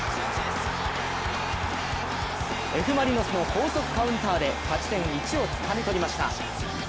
Ｆ・マリノスの高速カウンターで勝ち点１をつかみ取りました。